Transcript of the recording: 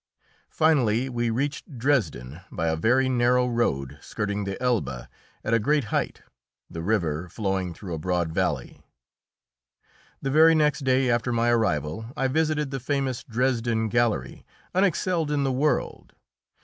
Finally we reached Dresden by a very narrow road skirting the Elbe at a great height, the river flowing through a broad valley. The very day after my arrival I visited the famous Dresden gallery, unexcelled in the world.